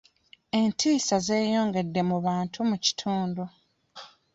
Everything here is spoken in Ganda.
Entiisa zeyongedde mu bantu mu kitundu.